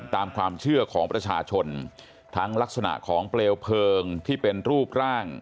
ตามความเชื่อของประชาชนทั้งลักษณะของเปลวเพลิงที่เป็นรูปร่าง